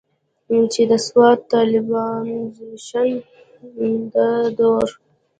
چې د سوات د طالبانائزيشن د دور